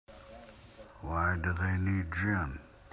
Why do they need gin?